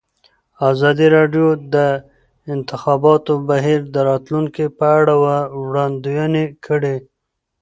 ازادي راډیو د د انتخاباتو بهیر د راتلونکې په اړه وړاندوینې کړې.